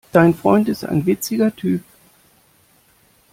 Dein Freund ist ein witziger Typ.